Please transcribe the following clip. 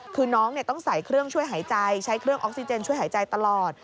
คือน้องต้องใส่เครื่องช่วยหายใจใช้เครื่องออกซิเจนช่วยหายใจตลอด